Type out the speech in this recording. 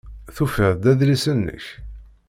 Tufiḍ-d adlis-nnek?